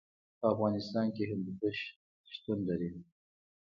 په افغانستان کې هندوکش شتون لري.